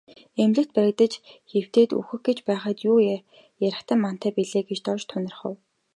Эмнэлэгт баригдаж хэвтээд үхэх гэж байхад юу ярихтай мантай билээ гэж Дорж тунирхав.